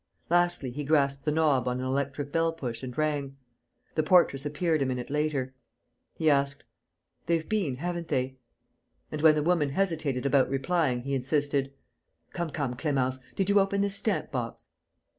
Lastly, he grasped the knob on an electric bell push and rang. The portress appeared a minute later. He asked: "They've been, haven't they?" And, when the woman hesitated about replying, he insisted: "Come, come, Clémence, did you open this stamp box?"